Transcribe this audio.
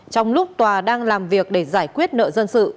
trong lúc tòa đang làm việc để giải quyết nợ dân sự